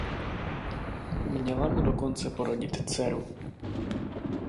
Měla mu dokonce porodit dceru.